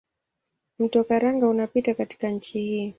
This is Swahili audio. Mto Karanga unapita katika nchi hii.